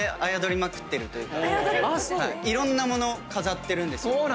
いろんな物飾ってるんです。